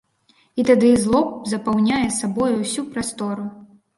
І тады зло запаўняе сабою ўсю прастору.